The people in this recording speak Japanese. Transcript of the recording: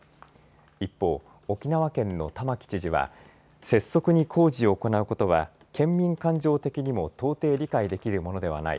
一方、沖縄県の玉城知事は拙速に工事を行うことは県民感情的にも到底理解できるものではない。